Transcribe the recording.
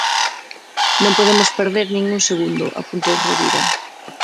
Non podemos perder nin un segundo, apuntou Rovira.